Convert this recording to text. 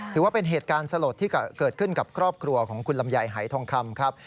ถือว่าเป็นเหตุการณ์สลดที่เกิดขึ้นกับครอบครัวของคุณลำไยหายทองคำครับ